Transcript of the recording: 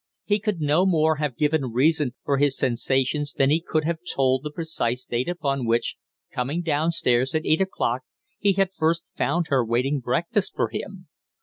He could no more have given reason for his sensations than he could have told the precise date upon which, coming down stairs at eight o'clock, he had first found her waiting breakfast for him.